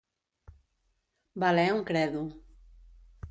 Valer un credo.